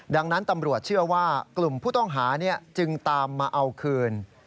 ดังนั้นตำรวจเชื่อว่ากลุ่มผู้ต้องหาจึงตามมาเอาคืน